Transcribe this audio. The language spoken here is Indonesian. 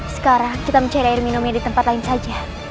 sekarang kita mencari air minumnya di tempat lain saja